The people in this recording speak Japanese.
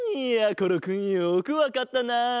ころくんよくわかったな。